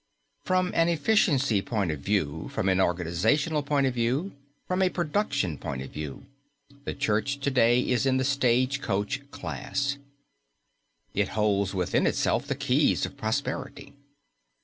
From an efficiency point of view, from an organization point of view, from a production point of view, the Church to day is in the stage coach class. It holds within itself the keys of prosperity.